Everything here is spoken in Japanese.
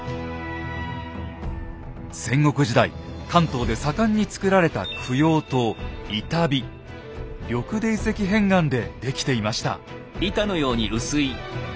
戦国時代関東で盛んにつくられた供養塔緑泥石片岩で出来ていました。